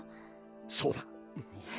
そうだ。